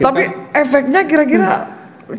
tapi efeknya kira kira gimana sih